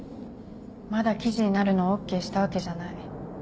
まだ記事になるのＯＫしたわけじゃない。